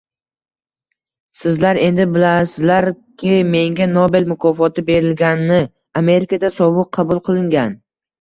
Sizlar, endi bilasizlarki, menga Nobel mukofoti berilgani Amerikada sovuq qabul qilingan